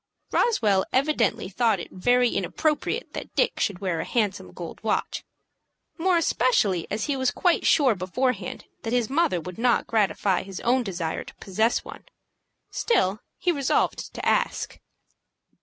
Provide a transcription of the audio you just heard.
Roswell evidently thought it very inappropriate that Dick should wear a handsome gold watch, more especially as he was quite sure beforehand that his mother would not gratify his own desire to possess one. Still he resolved to ask.